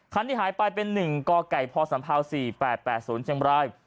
คันที่หายไปเป็น๑กกพศ๔๘๘๐เชมราย